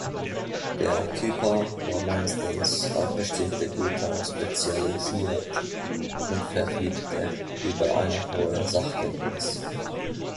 Der Küper war meistens auf bestimmte Güter spezialisiert und verfügte über eine hohe Sachkenntnis.